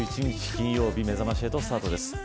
金曜日めざまし８スタートです。